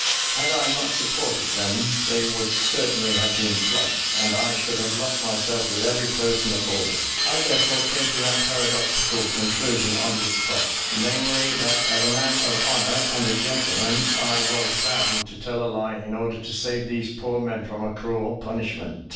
Had I not supported them, they would certainly have been flogged, and I should have lost myself with every person aboard; I therefore came to that paradoxical conclusion on the spot, namely, that, as a man of honour and a gentleman, I was bound to tell a lie in order to save these poor men from a cruel punishment.